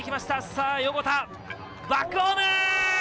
さぁ横田バックホーム！